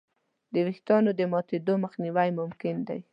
د وېښتیانو د ماتېدو مخنیوی ممکن دی.